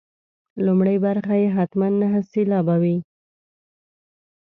لومړۍ برخه یې حتما نهه سېلابه وي.